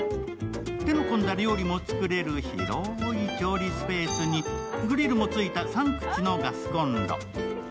手の込んだ料理も作れる広い調理スペースに、グリルも付いた３口のガスこんろ。